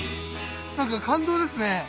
なんか感動ですね。